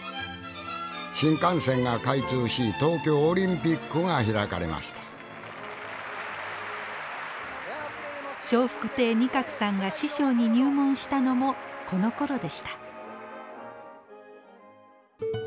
新幹線が開通し東京オリンピックが開かれました笑福亭仁鶴さんが師匠に入門したのもこのころでした。